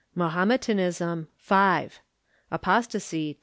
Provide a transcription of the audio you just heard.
Mahometanism Apostasy